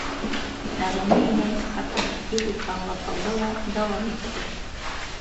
Нәғимә инәй хатаһын тиҙ үк аңлап алды ла дауам итте: